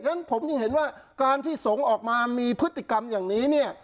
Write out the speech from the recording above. ฉะผมยังเห็นว่าการที่สงฆ์ออกมามีพฤติกรรมอย่างนี้เนี่ย